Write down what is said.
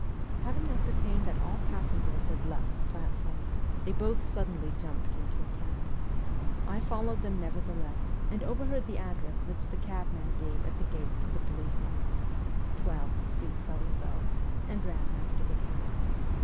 Having ascertained that all passengers had left the platform, they both suddenly jumped into a cab. I followed them nevertheless, and overheard the address which the cabman gave at the gate to the police man 12, street So and so and ran after the cab.